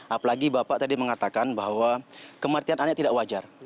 apalagi bapak tadi mengatakan bahwa kematian anaknya tidak wajar